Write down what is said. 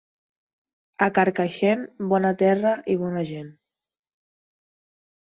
A Carcaixent, bona terra i bona gent.